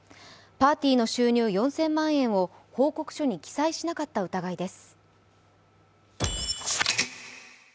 パーティーの収入４０００万円を報告書に記載しなかった疑いです。